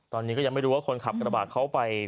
ตอนนี้ก็ยังไม่รู้ว่าคนขับกระบาดเขาไป